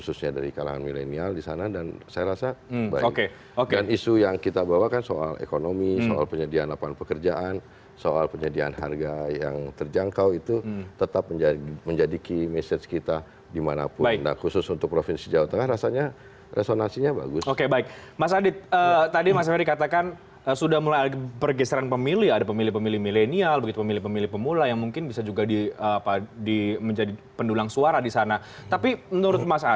sebelumnya prabowo subianto